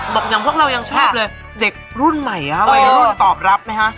อย่างพวกเรายังชอบเลยเด็กรุ่นใหม่ฮะวัยรุ่นตอบรับไหมฮะ